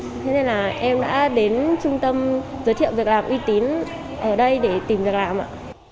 thế nên là em đã đến trung tâm giới thiệu việc làm uy tín ở đây để tìm việc làm ạ